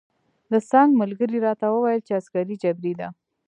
د څنګ ملګري راته وویل چې عسکري جبری ده.